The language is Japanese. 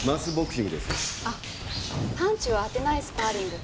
あっパンチを当てないスパーリング。